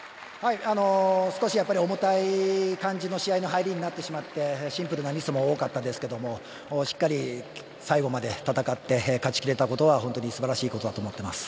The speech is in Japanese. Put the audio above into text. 少し重たい感じの試合の入りになってしまってシンプルなミスも多かったですけどしっかり最後まで戦って勝ち切れたことは本当に素晴らしいことだと思っています。